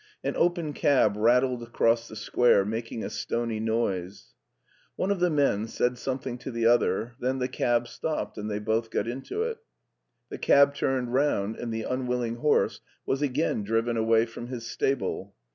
An open cab rattled across the square, making a stony noise. One of the men said something to the other, then the cab stopped and they both got in it. The cab turned round and the unwilling horse was again driven away from his stable.